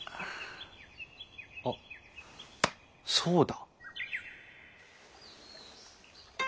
あっそうだ。